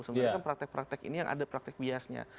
sebenarnya kan praktek praktek ini yang ada praktek biasnya